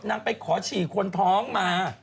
นางไปขอฉี่คนท้องมา